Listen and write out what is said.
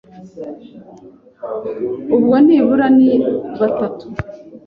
ubwo nibura ni batatu.